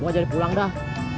gak jadi pulang dah